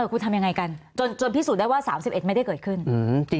คุณทำยังไงกันจนพิสูจนได้ว่า๓๑ไม่ได้เกิดขึ้น